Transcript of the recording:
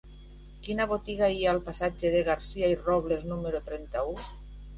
Quina botiga hi ha al passatge de Garcia i Robles número trenta-u?